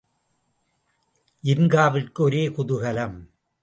ஜின்காவிற்கும் ஒரே குதூகலம்.